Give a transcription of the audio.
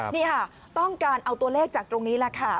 นี่ค่ะต้องการเอาตัวเลขจากตรงนี้แหละค่ะ